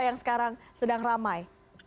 yang sekarang sedang ramai